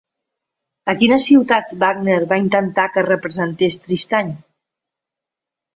A quines ciutats Wagner va intentar que es representés Tristany?